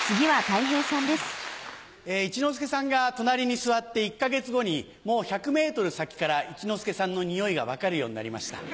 一之輔さんが隣に座って１か月後にもう１００ｍ先から一之輔さんのニオイが分かるようになりました。